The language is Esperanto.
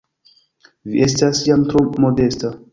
Vi estas jam tro modesta!